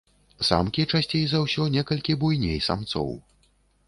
Самкі часцей за ўсё некалькі буйней самцоў.